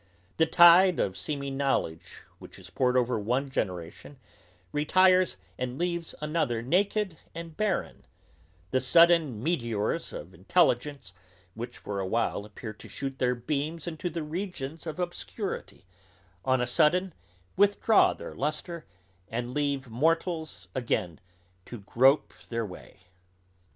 The tide of seeming knowledge which is poured over one generation, retires and leaves another naked and barren; the sudden meteors of intelligence which for a while appear to shoot their beams into the regions of obscurity, on a sudden withdraw their lustre, and leave mortals again to grope their way.